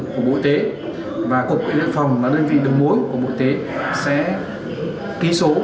của bộ y tế và cục luyện phòng và đơn vị đứng mối của bộ y tế sẽ ký số